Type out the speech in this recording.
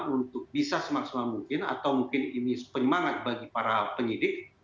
untuk bisa semaksimal mungkin atau mungkin ini penyemangat bagi para penyidik